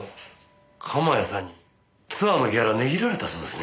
鎌谷さんにツアーのギャラ値切られたそうですね。